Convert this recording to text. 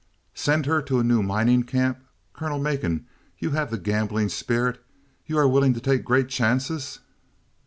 "Send her to a new mining camp. Colonel Macon, you have the gambling spirit; you are willing to take great chances!"